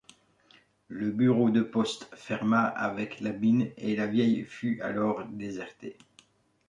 Le bureau de poste ferma avec la mine et la vielle fut alors désertée.